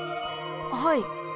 はい。